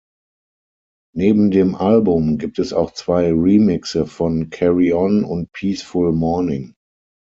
Neben dem Album gibt es auch zwei Remixe von "Carry On" und "Peaceful Morning".